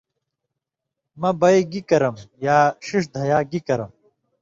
مہ بئ گی کرم یا ݜِݜ دھیا گی کرم